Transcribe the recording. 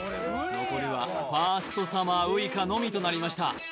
残るはファーストサマーウイカのみとなりました